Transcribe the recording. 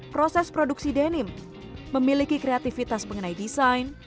proses produksi denim memiliki kreativitas mengenai desain